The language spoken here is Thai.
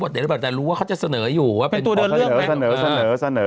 ต้องเป็นสิเพราะคนจำหน้าได้แล้วต้องเป็นสิเพราะคนจำหน้าได้แล้ว